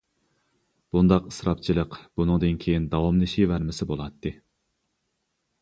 بۇنداق ئىسراپچىلىق بۇنىڭدىن كېيىن داۋاملىشىۋەرمىسە بولاتتى.